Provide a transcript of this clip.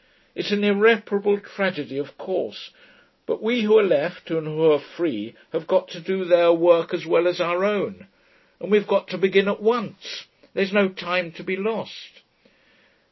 It's an irreparable tragedy, of course.... But we who are left and who are free have got to do their work as well as our own. And we've got to begin at once. There's no time to be lost.'